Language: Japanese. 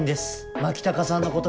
牧高さんのことが。